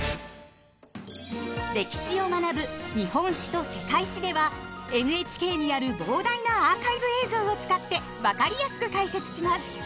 歴史を学ぶ「日本史」と「世界史」ではＮＨＫにある膨大なアーカイブ映像を使って分かりやすく解説します。